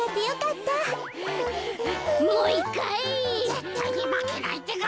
ぜったいにまけないってか！